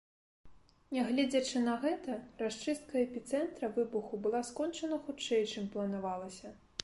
Нягледзячы на гэта, расчыстка эпіцэнтра выбуху была скончана хутчэй, чым планавалася.